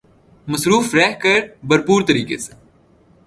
مصروف رہ کر بھرپور طریقے سے